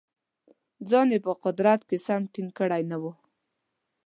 ځان یې په قدرت کې سم ټینګ کړی نه وو.